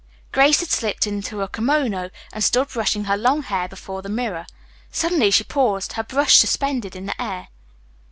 Grace had slipped into a kimono and stood brushing her long hair before the mirror. Suddenly she paused, her brush suspended in the air.